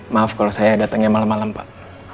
maaf kalau saya datangnya malam malam pak